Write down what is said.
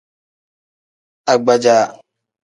Agbaja.